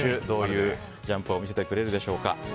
どういうジャンプを見せてくれるでしょうか。